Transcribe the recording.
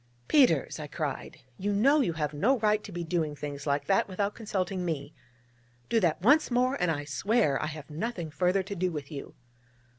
'Peters,' I cried, 'you know you have no right to be doing things like that without consulting me! Do that once more, and I swear I have nothing further to do with you!'